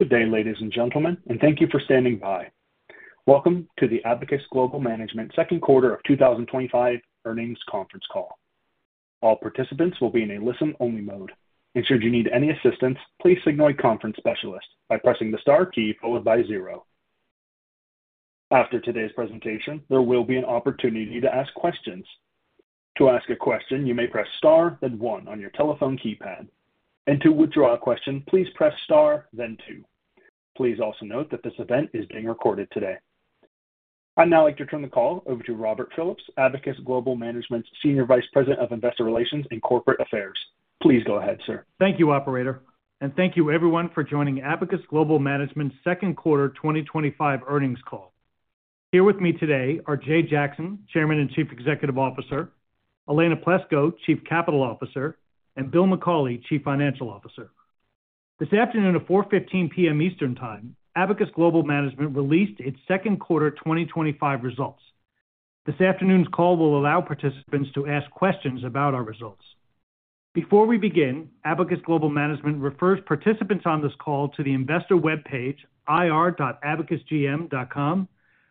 Good day, ladies and gentlemen, and thank you for standing by. Welcome to the Abacus Global Management Second Quarter of 2025 Earnings Conference Call. All participants will be in a listen-only mode. Should you need any assistance, please signal a conference specialist by pressing the star key followed by zero. After today's presentation, there will be an opportunity to ask questions. To ask a question, you may press star, then one on your telephone keypad. To withdraw a question, please press star, then two. Please also note that this event is being recorded today. I'd now like to turn the call over to Robert Phillips, Abacus Global Management's Senior Vice President of Investor Relations and Corporate Affairs. Please go ahead, sir. Thank you, Operator. Thank you, everyone, for joining Abacus Global Management's Second Quarter 2025 Earnings Call. Here with me today are Jay Jackson, Chairman and Chief Executive Officer, Elena Plesko, Chief Capital Officer, and Bill McCauley, Chief Financial Officer. This afternoon at 4:15 P.M. Eastern Time, Abacus Global Management released its second quarter 2025 results. This afternoon's call will allow participants to ask questions about our results. Before we begin, Abacus Global Management refers participants on this call to the investor webpage ir.abacusgm.com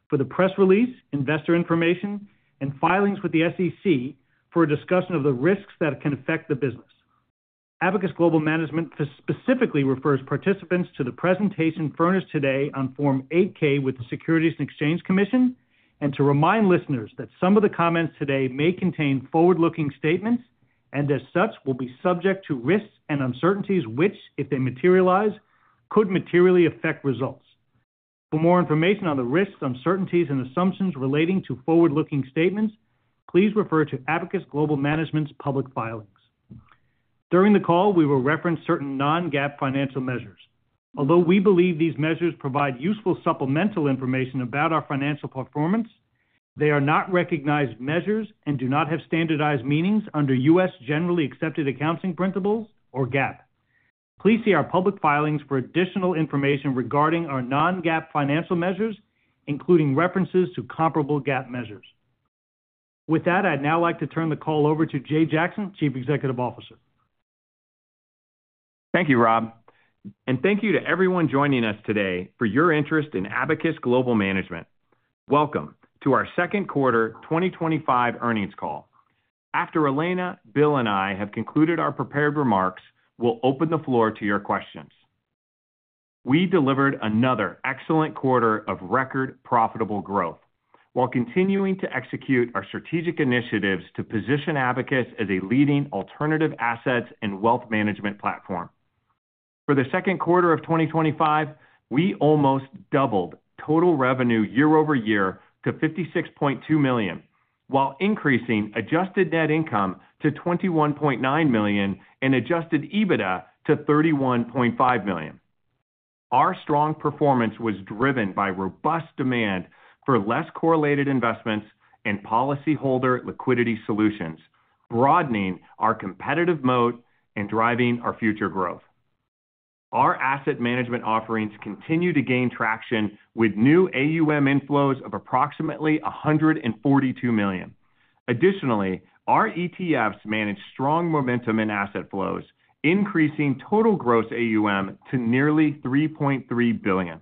for the press release, investor information, and filings with the SEC for a discussion of the risks that can affect the business. Abacus Global Management specifically refers participants to the presentation furnished today on Form 8-K with the Securities and Exchange Commission, and reminds listeners that some of the comments today may contain forward-looking statements and as such will be subject to risks and uncertainties which, if they materialize, could materially affect results. For more information on the risks, uncertainties, and assumptions relating to forward-looking statements, please refer to Abacus Global Management's public filings. During the call, we will reference certain non-GAAP financial measures. Although we believe these measures provide useful supplemental information about our financial performance, they are not recognized measures and do not have standardized meanings under U.S. Generally Accepted Accounting Principles or GAAP. Please see our public filings for additional information regarding our non-GAAP financial measures, including references to comparable GAAP measures. With that, I'd now like to turn the call over to Jay Jackson, Chief Executive Officer. Thank you, Rob. Thank you to everyone joining us today for your interest in Abacus Global Management. Welcome to our Second Quarter 2025 Earnings Call. After Elena, Bill, and I have concluded our prepared remarks, we'll open the floor to your questions. We delivered another excellent quarter of record profitable growth while continuing to execute our strategic initiatives to position Abacus as a leading alternative assets and wealth management platform. For the second quarter of 2025, we almost doubled total revenue year over year to $56.2 million, while increasing adjusted net income to $21.9 million and adjusted EBITDA to $31.5 million. Our strong performance was driven by robust demand for less correlated investments and policyholder liquidity solutions, broadening our competitive moat and driving our future growth. Our asset management offerings continue to gain traction with new AUM inflows of approximately $142 million. Additionally, our ETFs manage strong momentum in asset flows, increasing total gross AUM to nearly $3.3 billion.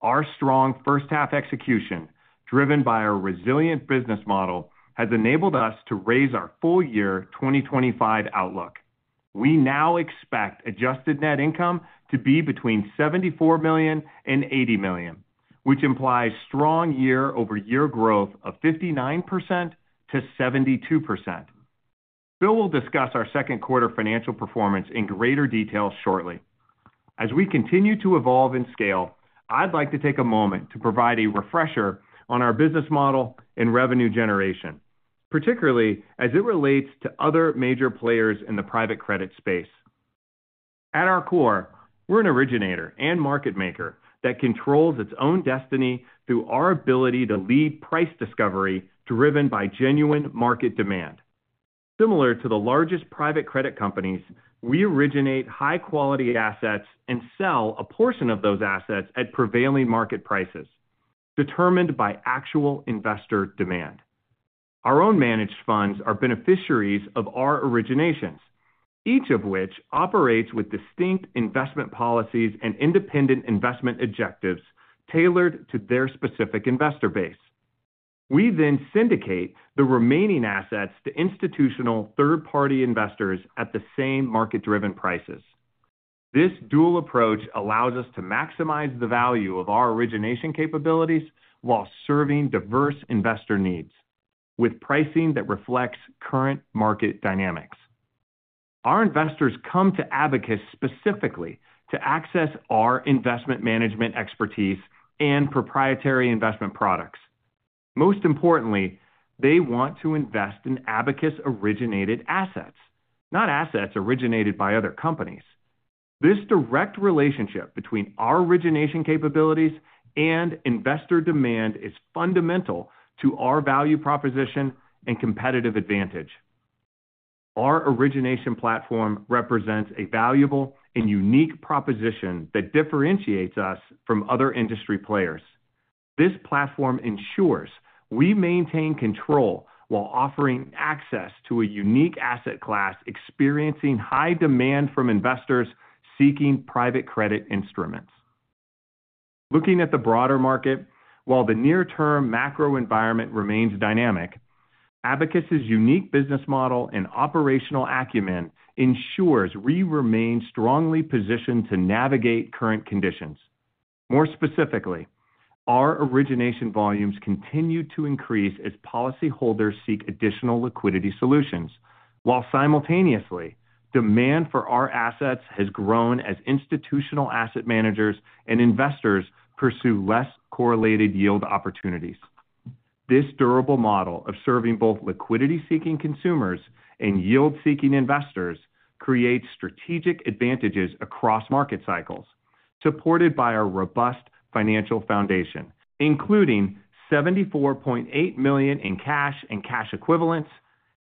Our strong first-half execution, driven by our resilient business model, has enabled us to raise our full-year 2025 outlook. We now expect adjusted net income to be between $74 million and $80 million, which implies strong year-over-year growth of 59%-72%. Bill will discuss our second quarter financial performance in greater detail shortly. As we continue to evolve in scale, I'd like to take a moment to provide a refresher on our business model and revenue generation, particularly as it relates to other major players in the private credit space. At our core, we're an originator and market maker that controls its own destiny through our ability to lead price discovery driven by genuine market demand. Similar to the largest private credit companies, we originate high-quality assets and sell a portion of those assets at prevailing market prices, determined by actual investor demand. Our own managed funds are beneficiaries of our originations, each of which operates with distinct investment policies and independent investment objectives tailored to their specific investor base. We then syndicate the remaining assets to institutional third-party investors at the same market-driven prices. This dual approach allows us to maximize the value of our origination capabilities while serving diverse investor needs with pricing that reflects current market dynamics. Our investors come to Abacus specifically to access our investment management expertise and proprietary investment products. Most importantly, they want to invest in Abacus-originated assets, not assets originated by other companies. This direct relationship between our origination capabilities and investor demand is fundamental to our value proposition and competitive advantage. Our origination platform represents a valuable and unique proposition that differentiates us from other industry players. This platform ensures we maintain control while offering access to a unique asset class experiencing high demand from investors seeking private credit instruments. Looking at the broader market, while the near-term macro environment remains dynamic, Abacus' unique business model and operational acumen ensure we remain strongly positioned to navigate current conditions. More specifically, our origination volumes continue to increase as policyholders seek additional liquidity solutions, while simultaneously, demand for our assets has grown as institutional asset managers and investors pursue less correlated yield opportunities. This durable model of serving both liquidity-seeking consumers and yield-seeking investors creates strategic advantages across market cycles, supported by our robust financial foundation, including $74.8 million in cash and cash equivalents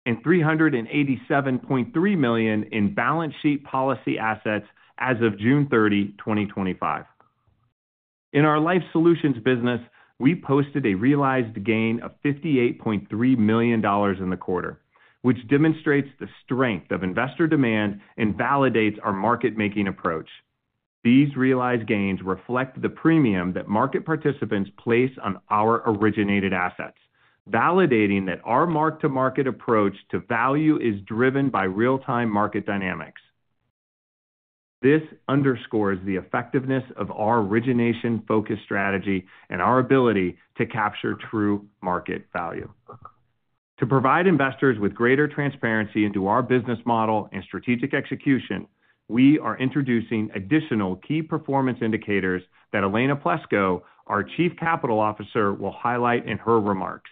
and $387.3 million in balance sheet policy assets as of June 30, 2025. In our life solutions business, we posted a realized gain of $58.3 million in the quarter, which demonstrates the strength of investor demand and validates our market-making approach. These realized gains reflect the premium that market participants place on our originated assets, validating that our mark-to-market approach to value is driven by real-time market dynamics. This underscores the effectiveness of our origination-focused strategy and our ability to capture true market value. To provide investors with greater transparency into our business model and strategic execution, we are introducing additional key performance indicators that Elena Plesko, our Chief Capital Officer, will highlight in her remarks.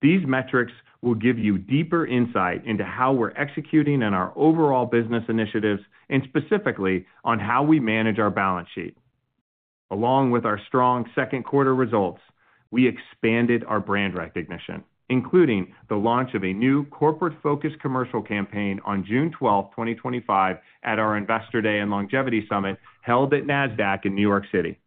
These metrics will give you deeper insight into how we're executing on our overall business initiatives and specifically on how we manage our balance sheet. Along with our strong second quarter results, we expanded our brand recognition, including the launch of a new corporate-focused commercial campaign on June 12th, 2025, at our Investor Day and Longevity Summit held at NASDAQ in New York City.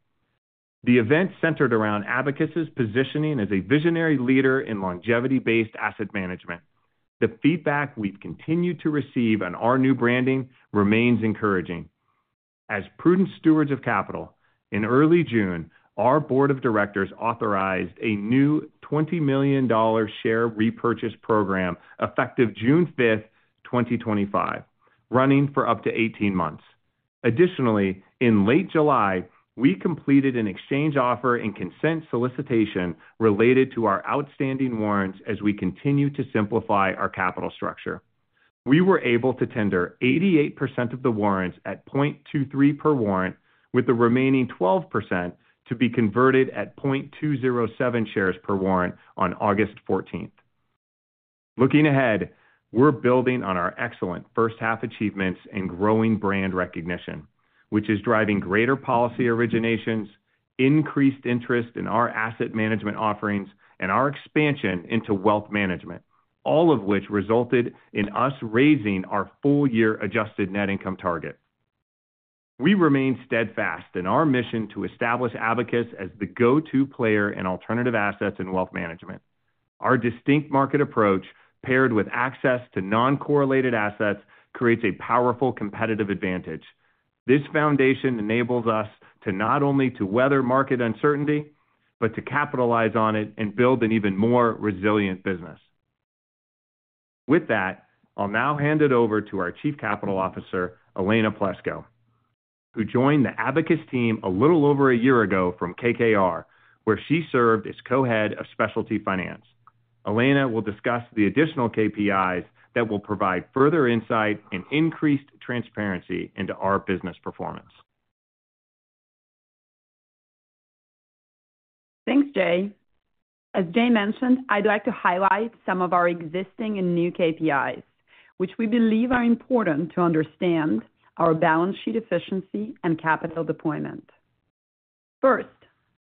The event centered around Abacus' positioning as a visionary leader in longevity-based asset management. The feedback we've continued to receive on our new branding remains encouraging. As prudent stewards of capital, in early June, our Board of Directors authorized a new $20 million share repurchase program effective June 5th, 2025, running for up to 18 months. Additionally, in late July, we completed an exchange offer and consent solicitation related to our outstanding warrants as we continue to simplify our capital structure. We were able to tender 88% of the warrants at $0.23 per warrant, with the remaining 12% to be converted at 0.207 shares per warrant on August 14th. Looking ahead, we're building on our excellent first-half achievements and growing brand recognition, which is driving greater policy originations, increased interest in our asset management offerings, and our expansion into wealth management, all of which resulted in us raising our full-year adjusted net income target. We remain steadfast in our mission to establish Abacus as the go-to player in alternative assets and wealth management. Our distinct market approach, paired with access to non-correlated assets, creates a powerful competitive advantage. This foundation enables us to not only weather market uncertainty, but to capitalize on it and build an even more resilient business. With that, I'll now hand it over to our Chief Capital Officer, Elena Plesko, who joined the Abacus team a little over a year ago from KKR, where she served as Co-Head of Specialty Finance. Elena will discuss the additional KPIs that will provide further insight and increased transparency into our business performance. Thanks, Jay. As Jay mentioned, I'd like to highlight some of our existing and new KPIs, which we believe are important to understand our balance sheet efficiency and capital deployment. First,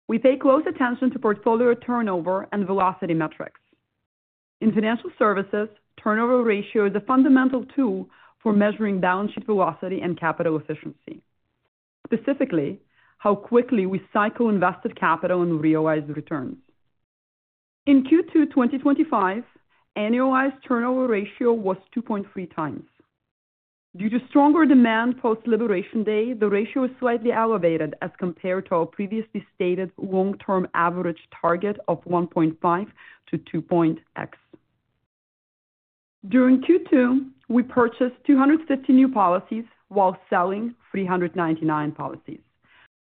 we pay close attention to portfolio turnover and velocity metrics. In financial services, turnover ratio is a fundamental tool for measuring balance sheet velocity and capital efficiency. Specifically, how quickly we cycle invested capital and realize the returns. In Q2 2025, annualized turnover ratio was 2.3x. Due to stronger demand post-Liberation Day, the ratio is slightly elevated as compared to our previously stated long-term average target of 1.5x-2.x. During Q2, we purchased 250 new policies while selling 399 policies,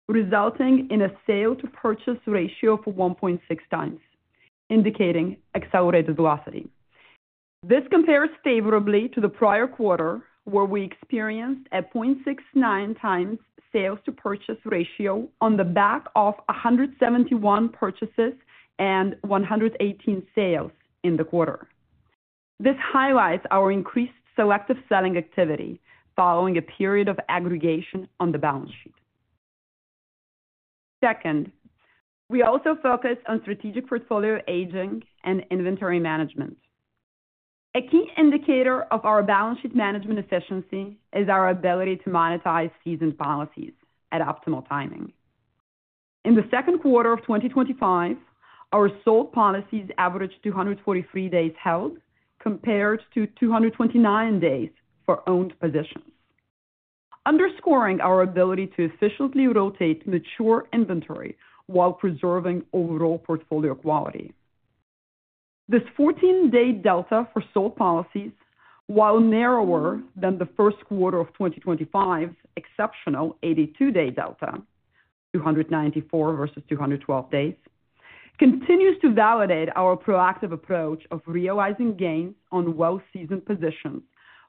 resulting in a sale-to-purchase ratio of 1.6x, indicating accelerated velocity. This compares favorably to the prior quarter, where we experienced a 0.69x sale-to-purchase ratio on the back of 171 purchases and 118 sales in the quarter. This highlights our increased selective selling activity following a period of aggregation on the balance sheet. Second, we also focus on strategic portfolio aging and inventory management. A key indicator of our balance sheet management efficiency is our ability to monetize seasoned policies at optimal timing. In the second quarter of 2025, our sold policies averaged 243 days held compared to 229 days for owned positions, underscoring our ability to efficiently rotate mature inventory while preserving overall portfolio quality. This 14-day delta for sold policies, while narrower than the first quarter of 2025's exceptional 82-day delta (294 versus 212 days), continues to validate our proactive approach of realizing gains on well-seasoned positions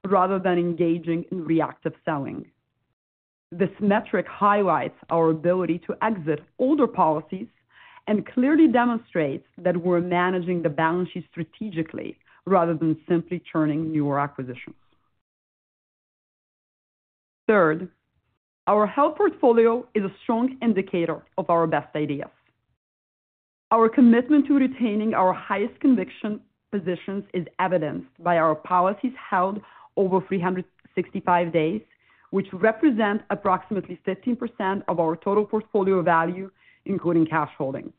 rather than engaging in reactive selling. This metric highlights our ability to exit older policies and clearly demonstrates that we're managing the balance sheet strategically rather than simply churning newer acquisitions. Third, our health portfolio is a strong indicator of our best ideas. Our commitment to retaining our highest conviction positions is evidenced by our policies held over 365 days, which represent approximately 15% of our total portfolio value, including cash holdings.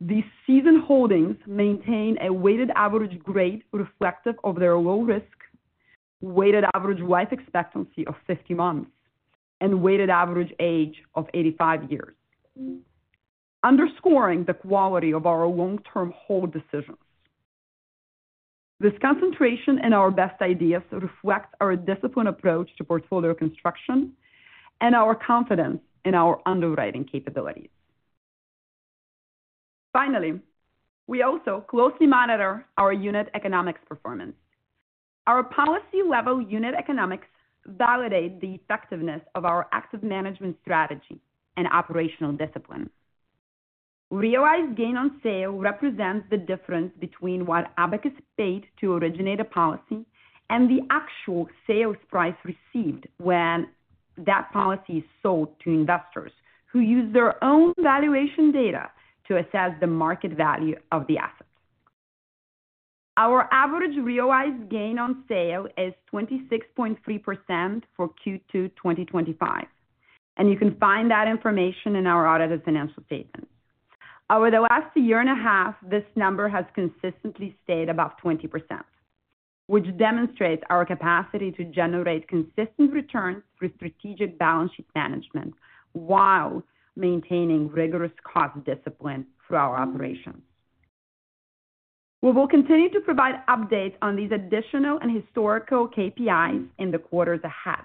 These seasoned holdings maintain a weighted average grade reflective of their low risk, weighted average life expectancy of 50 months, and weighted average age of 85 years, underscoring the quality of our long-term hold decisions. This concentration in our best ideas reflects our disciplined approach to portfolio construction and our confidence in our underwriting capabilities. Finally, we also closely monitor our unit economics performance. Our policy-level unit economics validate the effectiveness of our asset management strategy and operational discipline. Realized gain on sale represents the difference between what Abacus paid to originate a policy and the actual sales price received when that policy is sold to investors who use their own valuation data to assess the market value of the asset. Our average realized gain on sale is 26.3% for Q2 2025, and you can find that information in our audited financial statements. Over the last year and a half, this number has consistently stayed above 20%, which demonstrates our capacity to generate consistent returns through strategic balance sheet management while maintaining rigorous cost discipline through our operations. We will continue to provide updates on these additional and historical KPIs in the quarters ahead.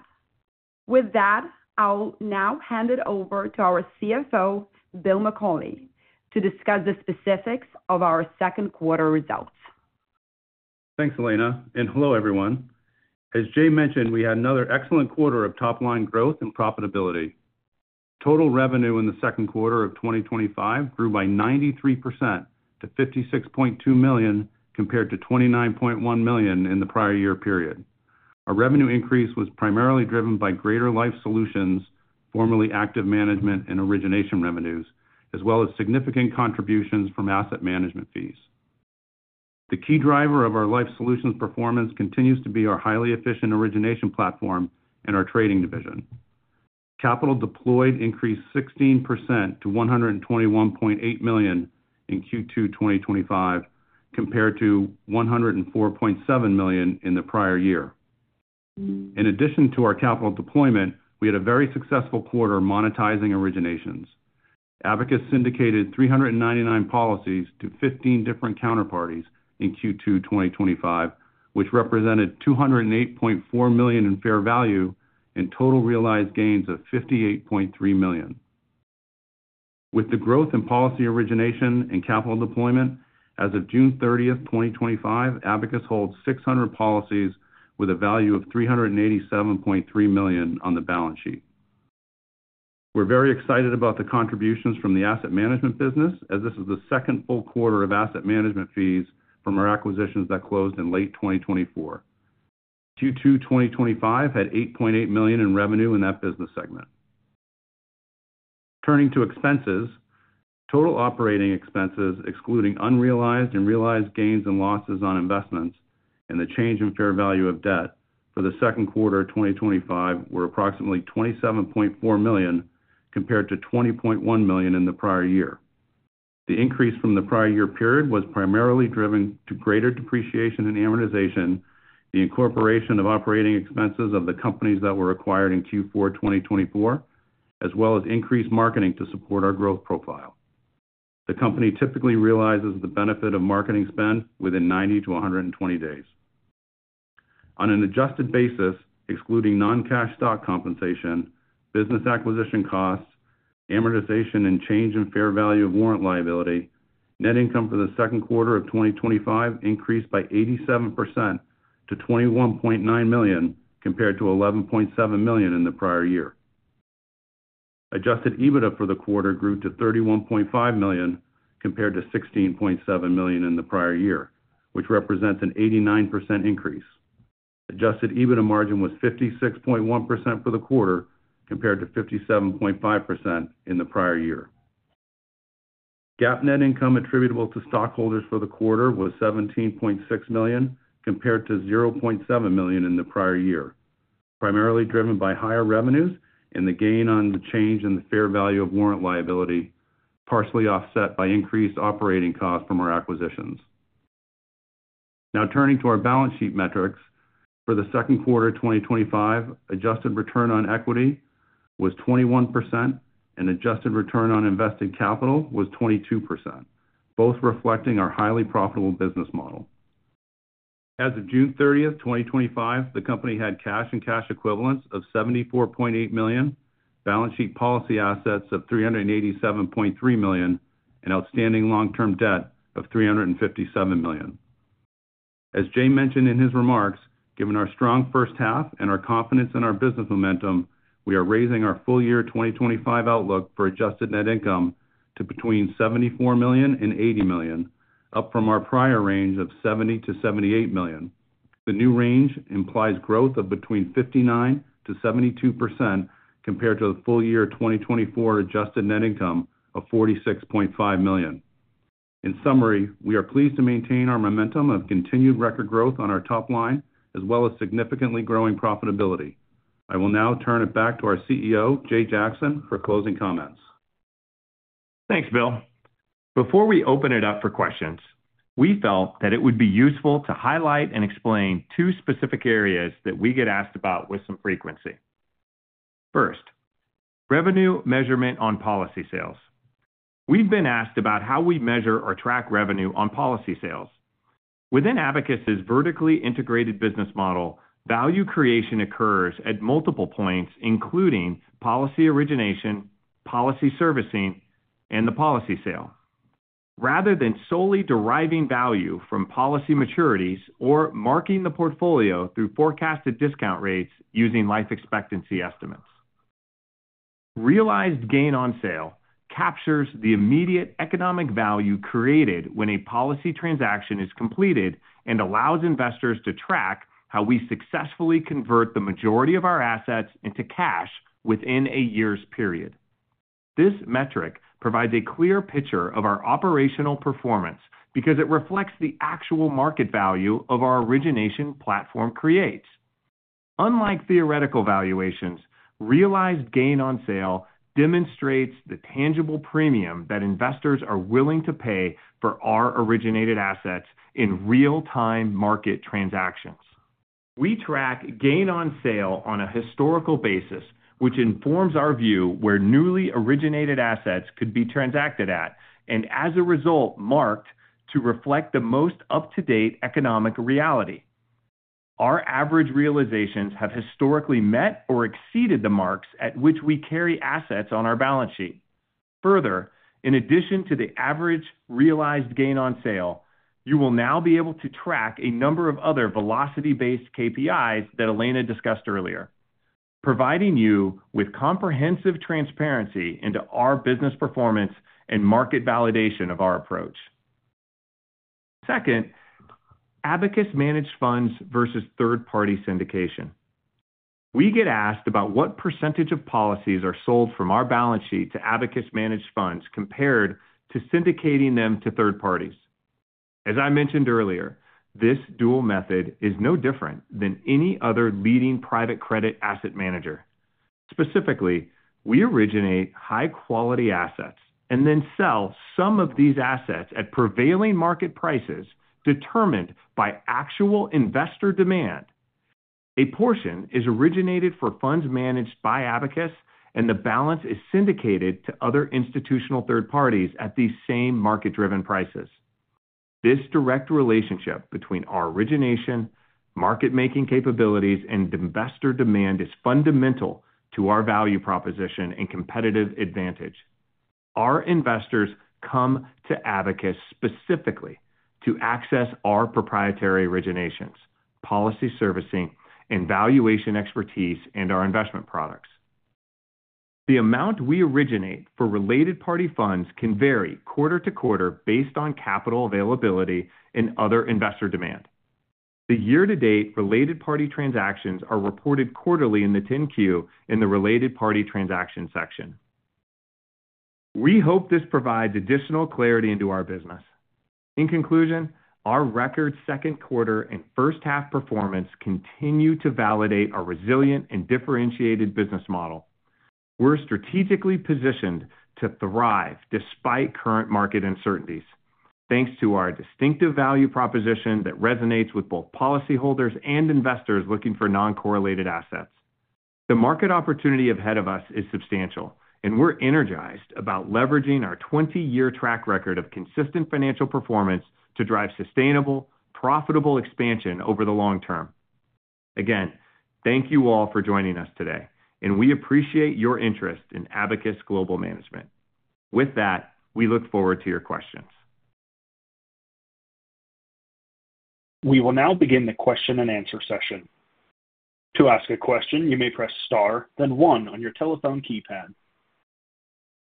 With that, I'll now hand it over to our CFO, Bill McCauley, to discuss the specifics of our second quarter results. Thanks, Elena, and hello, everyone. As Jay mentioned, we had another excellent quarter of top-line growth and profitability. Total revenue in the second quarter of 2025 grew by 93% to $56.2 million compared to $29.1 million in the prior year period. Our revenue increase was primarily driven by greater life solutions, formerly active management and origination revenues, as well as significant contributions from asset management fees. The key driver of our life solutions performance continues to be our highly efficient origination platform and our trading division. Capital deployed increased 16% to $121.8 million in Q2 2025 compared to $104.7 million in the prior year. In addition to our capital deployment, we had a very successful quarter monetizing originations. Abacus syndicated 399 policies to 15 different counterparties in Q2 2025, which represented $208.4 million in fair value and total realized gains of $58.3 million. With the growth in policy origination and capital deployment, as of June 30, 2025, Abacus holds 600 policies with a value of $387.3 million on the balance sheet. We're very excited about the contributions from the asset management business, as this is the second full quarter of asset management fees from our acquisitions that closed in late 2024. Q2 2025 had $8.8 million in revenue in that business segment. Turning to expenses, total operating expenses, excluding unrealized and realized gains and losses on investments and the change in fair value of debt for the second quarter of 2025, were approximately $27.4 million compared to $20.1 million in the prior year. The increase from the prior year period was primarily driven by greater depreciation and amortization, the incorporation of operating expenses of the companies that were acquired in Q4 2024, as well as increased marketing to support our growth profile. The company typically realizes the benefit of marketing spend within 90-120 days. On an adjusted basis, excluding non-cash stock compensation, business acquisition costs, amortization, and change in fair value of warrant liability, net income for the second quarter of 2025 increased by 87% to $21.9 million compared to $11.7 million in the prior year. Adjusted EBITDA for the quarter grew to $31.5 million compared to $16.7 million in the prior year, which represents an 89% increase. Adjusted EBITDA margin was 56.1% for the quarter compared to 57.5% in the prior year. GAAP net income attributable to stockholders for the quarter was $17.6 million compared to $0.7 million in the prior year, primarily driven by higher revenues and the gain on the change in the fair value of warrant liability, partially offset by increased operating costs from our acquisitions. Now turning to our balance sheet metrics, for the second quarter of 2025, adjusted return on equity was 21% and adjusted return on invested capital was 22%, both reflecting our highly profitable business model. As of June 30, 2025, the company had cash and cash equivalents of $74.8 million, balance sheet policy assets of $387.3 million, and outstanding long-term debt of $357 million. As Jay mentioned in his remarks, given our strong first half and our confidence in our business momentum, we are raising our full-year 2025 outlook for adjusted net income to between $74 million-$80 million, up from our prior range of $70 million-$78 million. The new range implies growth of between 59%-72% compared to the full-year 2024 adjusted net income of $46.5 million. In summary, we are pleased to maintain our momentum of continued record growth on our top line, as well as significantly growing profitability. I will now turn it back to our CEO, Jay Jackson, for closing comments. Thanks, Bill. Before we open it up for questions, we felt that it would be useful to highlight and explain two specific areas that we get asked about with some frequency. First, revenue measurement on policy sales. We've been asked about how we measure or track revenue on policy sales. Within Abacus is vertically integrated business model, value creation occurs at multiple points, including policy origination, policy servicing, and the policy sale, rather than solely deriving value from policy maturities or marking the portfolio through forecasted discount rates using life expectancy estimates. Realized gain on sale captures the immediate economic value created when a policy transaction is completed and allows investors to track how we successfully convert the majority of our assets into cash within a year's period. This metric provides a clear picture of our operational performance because it reflects the actual market value our origination platform creates. Unlike theoretical valuations, realized gain on sale demonstrates the tangible premium that investors are willing to pay for our originated assets in real-time market transactions. We track gain on sale on a historical basis, which informs our view where newly originated assets could be transacted at and, as a result, marked to reflect the most up-to-date economic reality. Our average realizations have historically met or exceeded the marks at which we carry assets on our balance sheet. Further, in addition to the average realized gain on sale, you will now be able to track a number of other velocity-based KPIs that Elena discussed earlier, providing you with comprehensive transparency into our business performance and market validation of our approach. Second, Abacus Global Management managed funds versus third-party syndication. We get asked about what % of policies are sold from our balance sheet to Abacus managed funds compared to syndicating them to third parties. As I mentioned earlier, this dual method is no different than any other leading private credit asset manager. Specifically, we originate high-quality assets and then sell some of these assets at prevailing market prices determined by actual investor demand. A portion is originated for funds managed by Abacus, and the balance is syndicated to other institutional third parties at these same market-driven prices. This direct relationship between our origination, market-making capabilities, and investor demand is fundamental to our value proposition and competitive advantage. Our investors come to Abacus specifically to access our proprietary originations, policy servicing, and valuation expertise and our investment products. The amount we originate for related party funds can vary quarter to quarter based on capital availability and other investor demand. The year-to-date related party transactions are reported quarterly in the 10-Q in the related party transaction section. We hope this provides additional clarity into our business. In conclusion, our record second quarter and first-half performance continue to validate our resilient and differentiated business model. We're strategically positioned to thrive despite current market uncertainties, thanks to our distinctive value proposition that resonates with both policyholders and investors looking for non-correlated assets. The market opportunity ahead of us is substantial, and we're energized about leveraging our 20-year track record of consistent financial performance to drive sustainable, profitable expansion over the long term. Again, thank you all for joining us today, and we appreciate your interest in Abacus Global Management. With that, we look forward to your questions. We will now begin the question and answer session. To ask a question, you may press star, then one on your telephone keypad.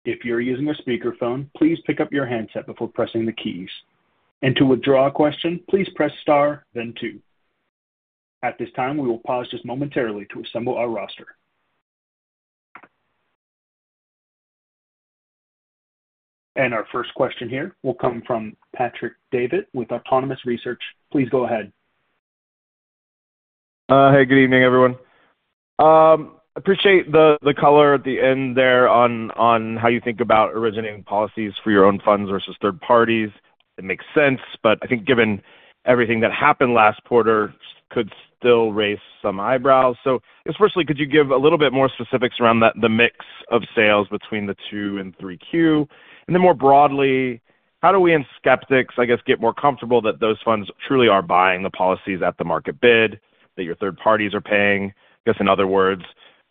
If you're using a speakerphone, please pick up your headset before pressing the keys. To withdraw a question, please press star, then two. At this time, we will pause just momentarily to assemble our roster. Our first question here will come from Patrick Davitt with Autonomous Research. Please go ahead. Hey, good evening, everyone. I appreciate the color at the end there on how you think about originating policies for your own funds versus third parties. It makes sense. I think given everything that happened last quarter, it could still raise some eyebrows. Especially, could you give a little bit more specifics around the mix of sales between the 2Q and 3Q? More broadly, how do we and skeptics, I guess, get more comfortable that those funds truly are buying the policies at the market bid that your third parties are paying? In other words,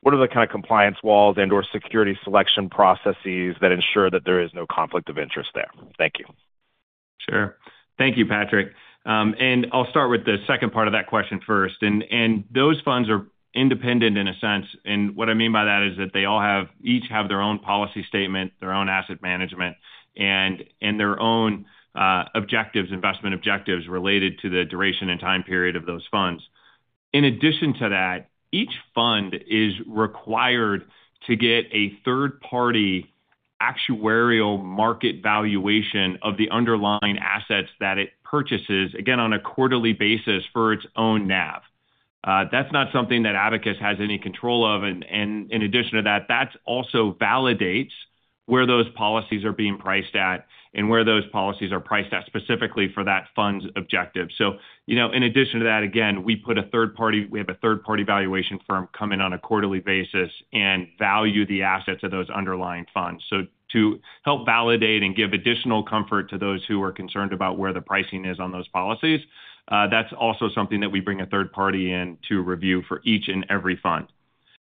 what are the kind of compliance walls and/or security selection processes that ensure that there is no conflict of interest there? Thank you. Thank you, Patrick. I'll start with the second part of that question first. Those funds are independent in a sense. What I mean by that is that they each have their own policy statement, their own asset management, and their own objectives, investment objectives related to the duration and time period of those funds. In addition to that, each fund is required to get a third-party actuarial market valuation of the underlying assets that it purchases, again, on a quarterly basis for its own NAV. That's not something that Abacus has any control of. In addition to that, that also validates where those policies are being priced at and where those policies are priced at specifically for that fund's objective. In addition to that, we have a third-party valuation firm come in on a quarterly basis and value the assets of those underlying funds. To help validate and give additional comfort to those who are concerned about where the pricing is on those policies, that's also something that we bring a third party in to review for each and every fund.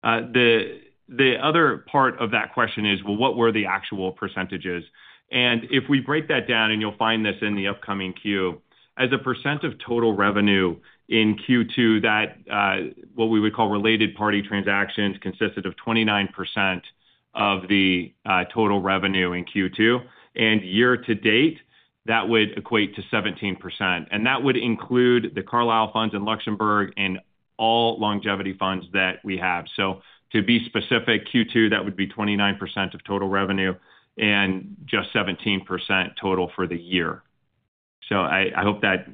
The other part of that question is, what were the actual percentages? If we break that down, and you'll find this in the upcoming Q, as a percent of total revenue in Q2, what we would call related party transactions consisted of 29% of the total revenue in Q2. Year to date, that would equate to 17%. That would include the Carlyle funds in Luxembourg and all longevity funds that we have. To be specific, Q2, that would be 29% of total revenue and just 17% total for the year. I hope that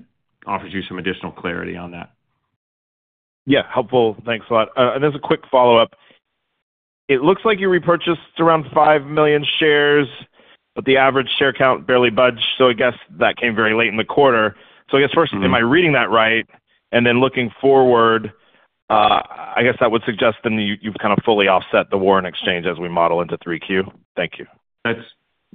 offers you some additional clarity on that. Yeah, helpful. Thanks a lot. As a quick follow-up, it looks like you repurchased around 5 million shares, but the average share count barely budged. I guess that came very late in the quarter. Am I reading that right? Looking forward, I guess that would suggest then you've kind of fully offset the warrant exchange as we model into 3Q. Thank you.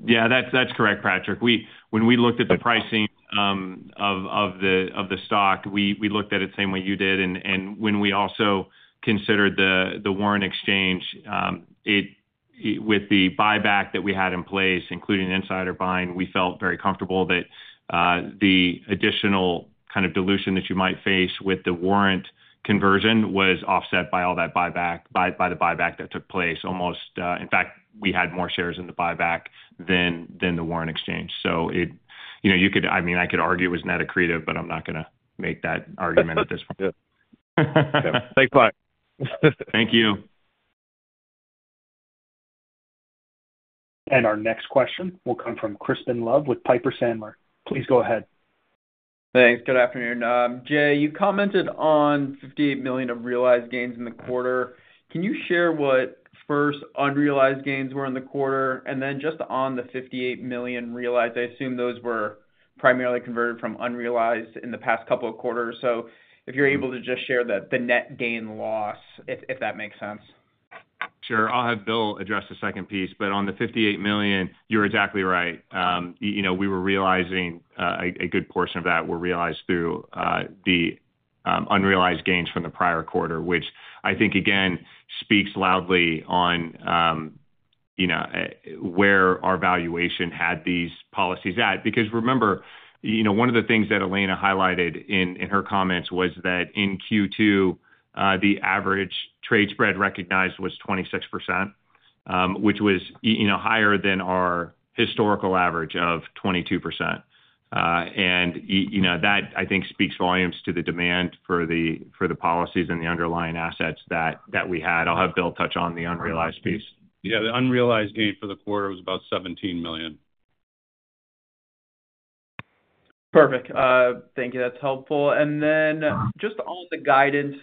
Yeah, that's correct, Patrick. When we looked at the pricing of the stock, we looked at it the same way you did. When we also considered the warrant exchange, with the buyback that we had in place, including insider buying, we felt very comfortable that the additional kind of dilution that you might face with the warrant conversion was offset by all that buyback, by the buyback that took place. In fact, we had more shares in the buyback than the warrant exchange. You could, I mean, I could argue it was net accretive, but I'm not going to make that argument at this point. Yeah, thanks, Pat. Thank you. Our next question will come from Crispin Love with Piper Sandler. Please go ahead. Thanks. Good afternoon. Jay, you commented on $58 million of realized gains in the quarter. Can you share what first unrealized gains were in the quarter, and then just on the $58 million realized? I assume those were primarily converted from unrealized in the past couple of quarters. If you're able to, just share the net gain loss, if that makes sense. Sure. I'll have Bill address the second piece. On the $58 million, you're exactly right. We were realizing a good portion of that were realized through the unrealized gains from the prior quarter, which I think, again, speaks loudly on where our valuation had these policies at. Remember, one of the things that Elena highlighted in her comments was that in Q2, the average trade spread recognized was 26%, which was higher than our historical average of 22%. I think that speaks volumes to the demand for the policies and the underlying assets that we had. I'll have Bill touch on the unrealized piece. Yeah, the unrealized gain for the quarter was about $17 million. Perfect. Thank you. That's helpful. All of the guidance,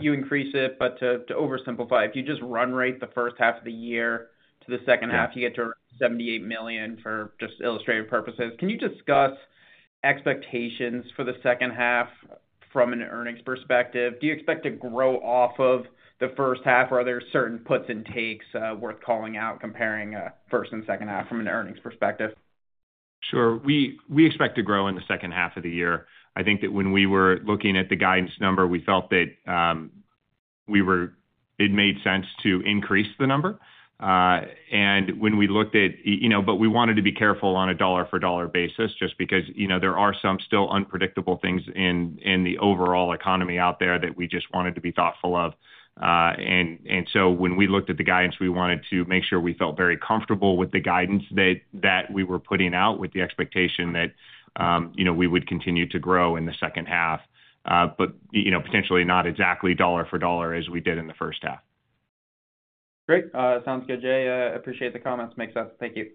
you increase it, but to oversimplify, if you just run rate the first half of the year to the second half, you get to $78 million for just illustrative purposes. Can you discuss expectations for the second half from an earnings perspective? Do you expect to grow off of the first half, or are there certain puts and takes worth calling out comparing first and second half from an earnings perspective? Sure. We expect to grow in the second half of the year. I think that when we were looking at the guidance number, we felt that it made sense to increase the number. When we looked at, you know, we wanted to be careful on a dollar-for-dollar basis just because, you know, there are some still unpredictable things in the overall economy out there that we just wanted to be thoughtful of. When we looked at the guidance, we wanted to make sure we felt very comfortable with the guidance that we were putting out with the expectation that, you know, we would continue to grow in the second half, but, you know, potentially not exactly dollar for dollar as we did in the first half. Great. Sounds good, Jay. I appreciate the comments. Makes sense. Thank you.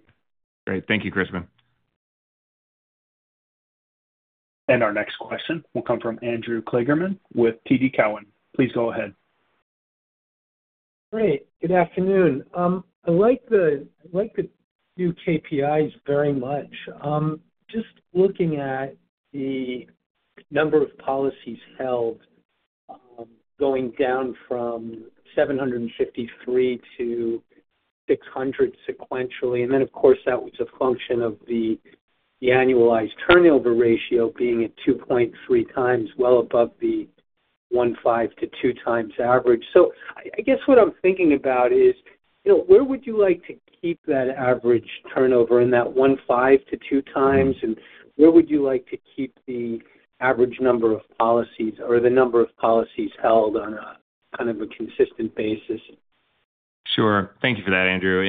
Great. Thank you, Crispin. Our next question will come from Andrew Kligerman with TD Cowen. Please go ahead. Great. Good afternoon. I like the new KPIs very much. Just looking at the number of policies held going down from 753 to 600 sequentially. That was a function of the annualized turnover ratio being at 2.3x, well above the 1.5x-2x average. I guess what I'm thinking about is, you know, where would you like to keep that average turnover in that 1.5x-2x? Where would you like to keep the average number of policies or the number of policies held on a kind of a consistent basis? Thank you for that, Andrew.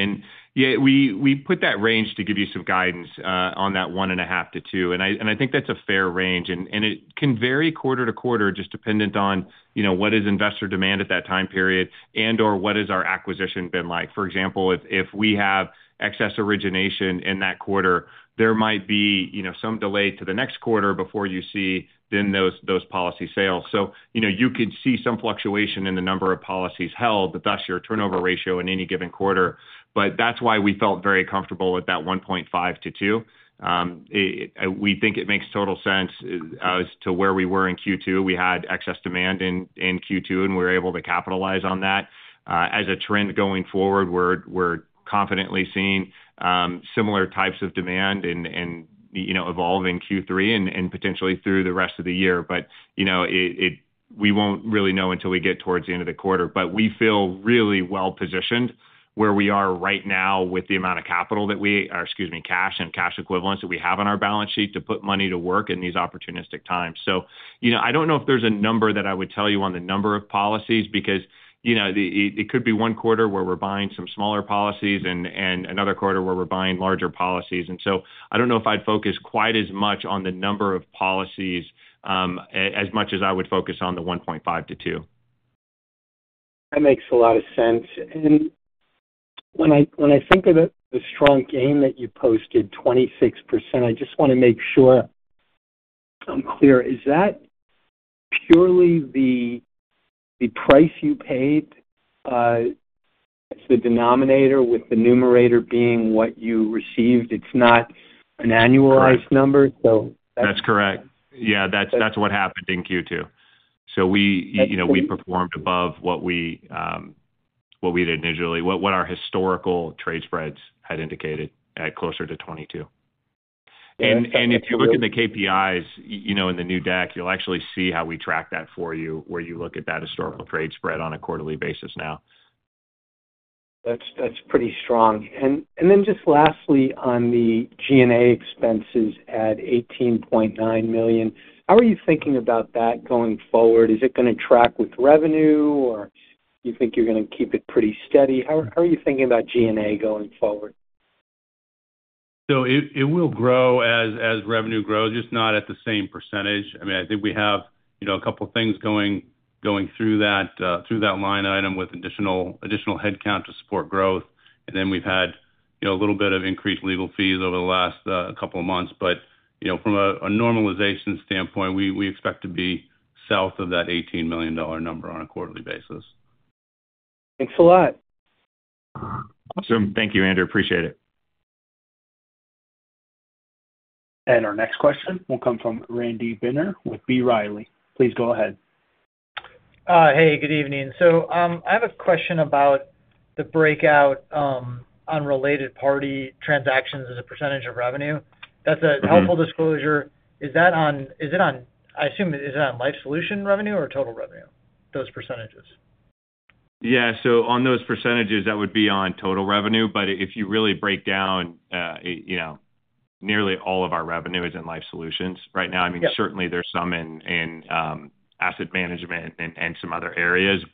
We put that range to give you some guidance on that 1.5x-2x. I think that's a fair range. It can vary quarter to quarter, just dependent on what is investor demand at that time period and/or what has our acquisition been like. For example, if we have excess origination in that quarter, there might be some delay to the next quarter before you see then those policy sales. You could see some fluctuation in the number of policies held, thus your turnover ratio in any given quarter. That's why we felt very comfortable with that 1.5x-2x. We think it makes total sense as to where we were in Q2. We had excess demand in Q2, and we were able to capitalize on that. As a trend going forward, we're confidently seeing similar types of demand evolve in Q3 and potentially through the rest of the year. We won't really know until we get towards the end of the quarter. We feel really well positioned where we are right now with the amount of capital that we are, excuse me, cash and cash equivalents that we have on our balance sheet to put money to work in these opportunistic times. I don't know if there's a number that I would tell you on the number of policies because it could be one quarter where we're buying some smaller policies and another quarter where we're buying larger policies. I don't know if I'd focus quite as much on the number of policies as much as I would focus on the 1.5x-2x. That makes a lot of sense. When I think of the strong gain that you posted, 26%, I just want to make sure I'm clear. Is that purely the price you paid? It's the denominator with the numerator being what you received. It's not an annualized number. That's correct. That's what happened in Q2. We performed above what we'd had initially, what our historical trade spreads had indicated, closer to 22%. If you look at the KPIs in the new deck, you'll actually see how we track that for you, where you look at that historical trade spread on a quarterly basis now. That's pretty strong. Just lastly, on the G&A expenses at $18.9 million, how are you thinking about that going forward? Is it going to track with revenue or do you think you're going to keep it pretty steady? How are you thinking about G&A going forward? It will grow as revenue grows, just not at the same %. I think we have a couple of things going through that line item with additional headcount to support growth. We've had a little bit of increased legal fees over the last couple of months. From a normalization standpoint, we expect to be south of that $18 million number on a quarterly basis. Thanks a lot. Awesome. Thank you, Andrew. Appreciate it. Our next question will come from Randy Binner with B. Riley. Please go ahead. Good evening. I have a question about the breakout on related party transactions as a percentage of revenue. That's a helpful disclosure. Is that on, I assume, is it on life solution revenue or total revenue, those percentages? Yeah, so on those percentages, that would be on total revenue. If you really break down, you know, nearly all of our revenue is in life solutions right now. I mean, certainly there's some in asset management and some other areas.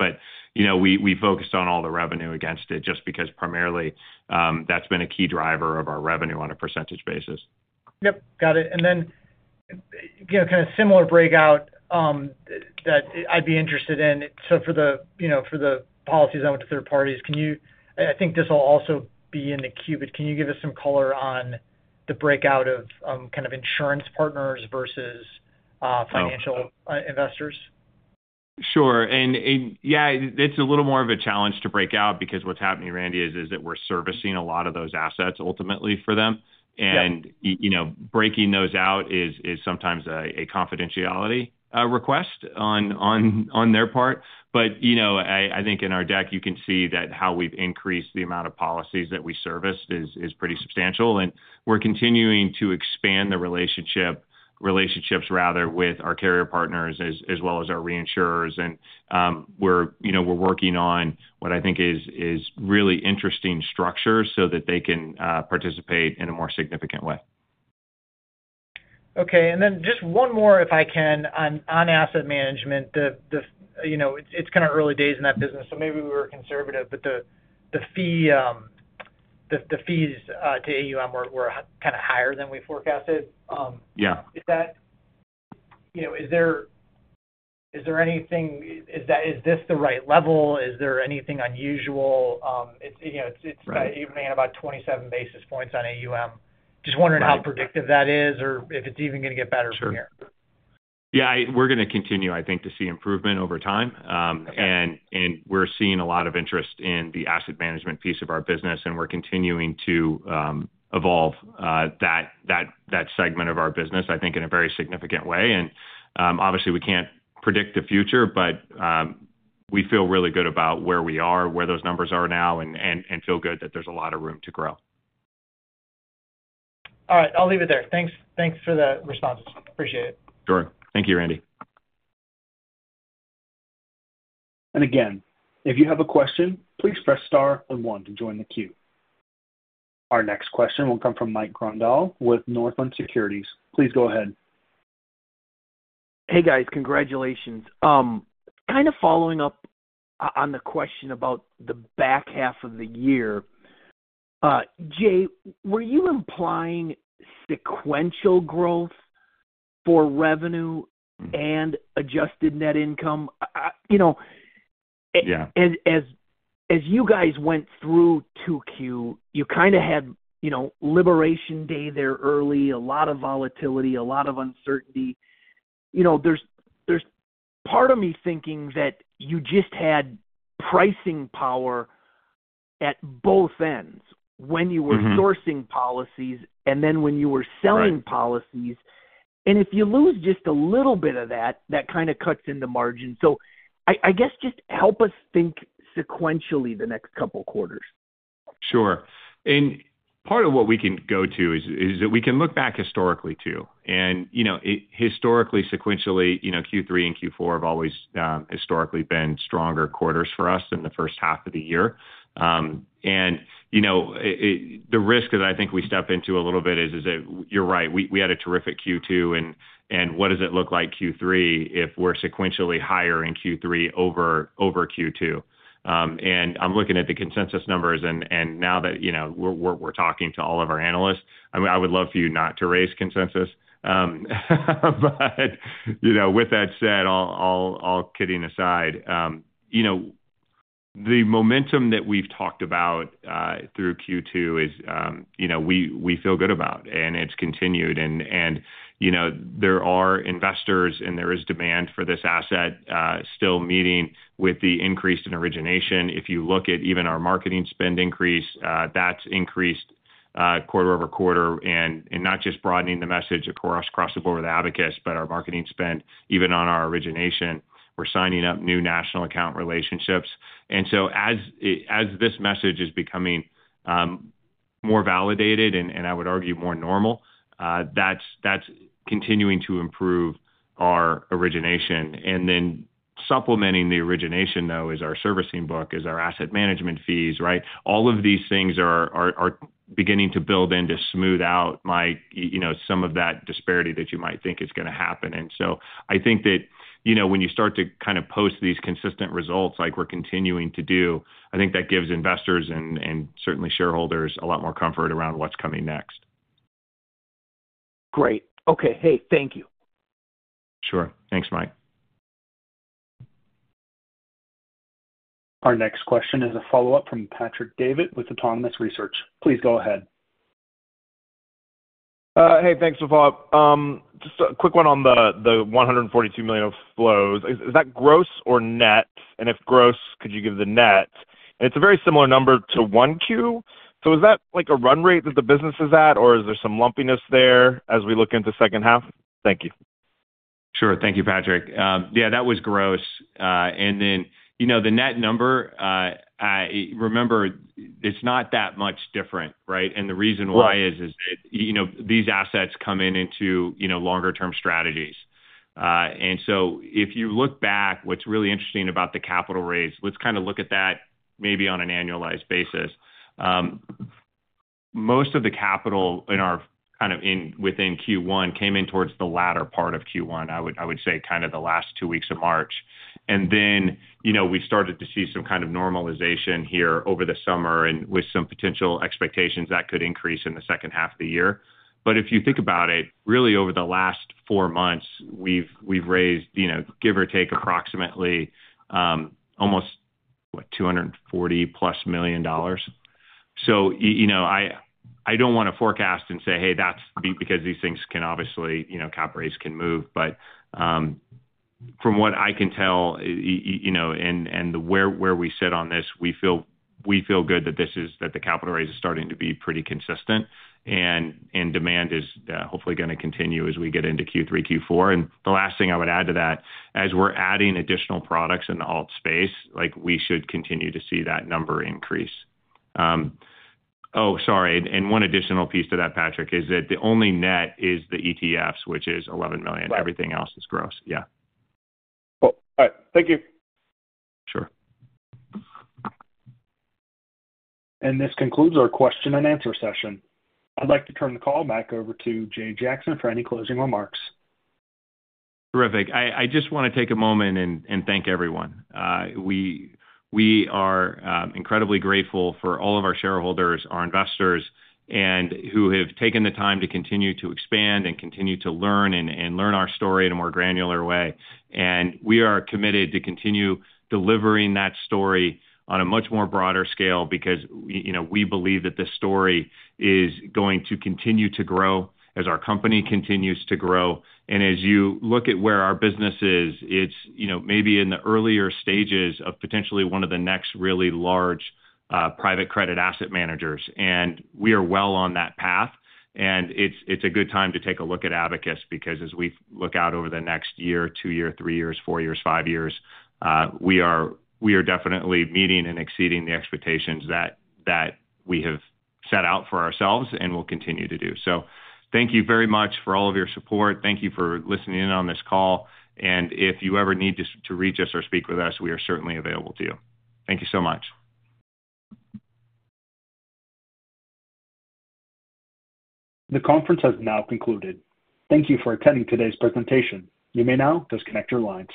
We focused on all the revenue against it just because primarily that's been a key driver of our revenue on a % basis. Got it. Kind of similar breakout that I'd be interested in. For the policies on third parties, can you give us some color on the breakout of insurance partners versus financial investors? I think this will also be in the Q. Sure. That's a little more of a challenge to break out because what's happening, Randy, is that we're servicing a lot of those assets ultimately for them. Breaking those out is sometimes a confidentiality request on their part. I think in our deck, you can see that how we've increased the amount of policies that we serviced is pretty substantial. We're continuing to expand the relationships with our carrier partners as well as our reinsurers. We're working on what I think is really interesting structures so that they can participate in a more significant way. Okay. Just one more, if I can, on asset management. You know, it's kind of early days in that business, so maybe we were conservative, but the fees to AUM were kind of higher than we forecasted. Yeah. Is there anything unusual? Is this the right level? It's even at about 27 basis points on AUM. Just wondering how predictive that is or if it's even going to get better from here. Yeah, we are going to continue, I think, to see improvement over time. We are seeing a lot of interest in the asset management piece of our business, and we are continuing to evolve that segment of our business, I think, in a very significant way. Obviously, we can't predict the future, but we feel really good about where we are, where those numbers are now, and feel good that there's a lot of room to grow. All right, I'll leave it there. Thanks. Thanks for the responses. Appreciate it. Sure. Thank you, Randy. If you have a question, please press star and one to join the queue. Our next question will come from Mike Grondahl with Northland Securities. Please go ahead. Hey guys, congratulations. Kind of following up on the question about the back half of the year. Jay, were you implying sequential growth for revenue and adjusted net income? As you guys went through 2Q, you kind of had Liberation Day there early, a lot of volatility, a lot of uncertainty. There's part of me thinking that you just had pricing power at both ends when you were sourcing policies and then when you were selling policies. If you lose just a little bit of that, that kind of cuts into margin. I guess just help us think sequentially the next couple of quarters. Sure. Part of what we can go to is that we can look back historically too. Historically, sequentially, Q3 and Q4 have always historically been stronger quarters for us than the first half of the year. The risk that I think we step into a little bit is that you're right, we had a terrific Q2. What does it look like Q3 if we're sequentially higher in Q3 over Q2? I'm looking at the consensus numbers. Now that we're talking to all of our analysts, I would love for you not to raise consensus. All kidding aside, the momentum that we've talked about through Q2 is, you know, we feel good about, and it's continued. There are investors, and there is demand for this asset still meeting with the increase in origination. If you look at even our marketing spend increase, that's increased quarter over quarter. Not just broadening the message across the board with Abacus, but our marketing spend, even on our origination, we're signing up new national account relationships. As this message is becoming more validated, and I would argue more normal, that's continuing to improve our origination. Supplementing the origination, though, is our servicing book, is our asset management fees, right? All of these things are beginning to build in to smooth out my, you know, some of that disparity that you might think is going to happen. I think that when you start to kind of post these consistent results like we're continuing to do, I think that gives investors and certainly shareholders a lot more comfort around what's coming next. Great. Okay. Thank you. Sure. Thanks, Mike. Our next question is a follow-up from Patrick Davitt with Autonomous Research. Please go ahead. Hey, thanks for the follow-up. Just a quick one on the $142 million of flows. Is that gross or net? If gross, could you give the net? It's a very similar number to 1Q. Is that like a run rate that the business is at, or is there some lumpiness there as we look into the second half? Thank you. Sure. Thank you, Patrick. That was gross. The net number, remember, it's not that much different, right? The reason why is these assets come into longer-term strategies. If you look back, what's really interesting about the capital raise, let's look at that maybe on an annualized basis. Most of the capital within Q1 came in towards the latter part of Q1, I would say the last two weeks of March. We started to see some normalization here over the summer with some potential expectations that could increase in the second half of the year. If you think about it, really over the last four months, we've raised approximately almost $240 million plus. I don't want to forecast and say that's because these things can obviously, cap raise can move. From what I can tell, and where we sit on this, we feel good that the capital raise is starting to be pretty consistent. Demand is hopefully going to continue as we get into Q3, Q4. The last thing I would add to that, as we're adding additional products in the alt space, we should continue to see that number increase. Oh, sorry. One additional piece to that, Patrick, is that the only net is the ETFs, which is $11 million. Everything else is gross. Yeah. All right. Thank you. Sure. This concludes our question and answer session. I'd like to turn the call back over to Jay Jackson for any closing remarks. Terrific. I just want to take a moment and thank everyone. We are incredibly grateful for all of our shareholders and our investors who have taken the time to continue to expand and continue to learn our story in a more granular way. We are committed to continue delivering that story on a much broader scale because we believe that this story is going to continue to grow as our company continues to grow. As you look at where our business is, it's maybe in the earlier stages of potentially one of the next really large private credit asset managers. We are well on that path. It's a good time to take a look at Abacus because as we look out over the next year, two years, three years, four years, five years, we are definitely meeting and exceeding the expectations that we have set out for ourselves and will continue to do. Thank you very much for all of your support. Thank you for listening in on this call. If you ever need to reach us or speak with us, we are certainly available to you. Thank you so much. The conference has now concluded. Thank you for attending today's presentation. You may now disconnect your lines.